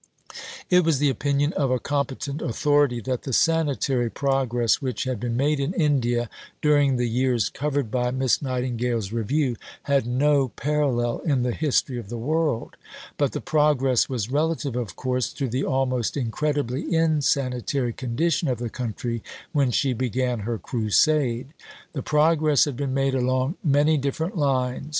It was the opinion of a competent authority that the sanitary progress which had been made in India during the years covered by Miss Nightingale's review "had no parallel in the history of the world"; but the progress was relative of course to the almost incredibly insanitary condition of the country when she began her crusade. The progress had been made along many different lines.